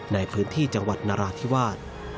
ในพื้นที่จังหวัดนราธิวาส